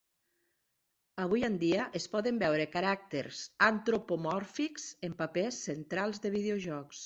Avui dia, es poden veure caràcters antropomòrfics en papers centrals de videojocs.